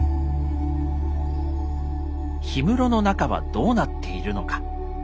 氷室の中はどうなっているのか。